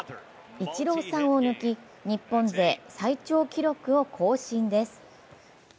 イチローさんを抜き、日本勢最長記録を更新です。